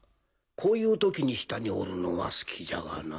こういう時に下におるのは好きじゃがな。